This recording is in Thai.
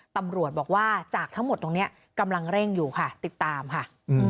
ตำรวจบอกว่าจากทั้งหมดตรงนี้กำลังเร่งอยู่ค่ะติดตามค่ะ